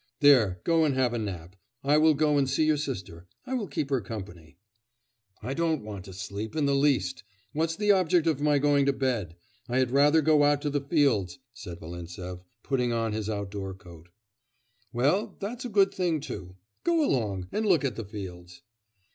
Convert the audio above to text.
There, go and have a nap; I will go and see your sister. I will keep her company.' 'I don't want to sleep in the least. What's the object of my going to bed? I had rather go out to the fields,' said Volintsev, putting on his out of door coat. 'Well, that's a good thing too. Go along, and look at the fields....